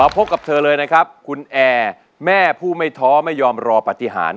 พบกับเธอเลยนะครับคุณแอร์แม่ผู้ไม่ท้อไม่ยอมรอปฏิหาร